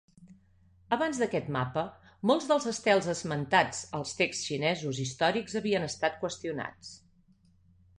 Abans d'aquest mapa, molts dels estels esmentats als texts xinesos històrics havien estat qüestionats.